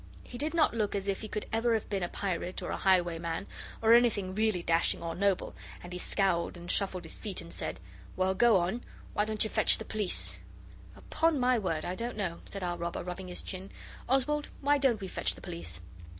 He did not look as if he could ever have been a pirate or a highwayman, or anything really dashing or noble, and he scowled and shuffled his feet and said: 'Well, go on: why don't yer fetch the pleece?' 'Upon my word, I don't know,' said our robber, rubbing his chin. 'Oswald, why don't we fetch the police?